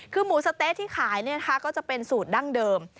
คือหมูสะเต๊ะที่ขายก็จะเป็นสูตรดั้งเดิม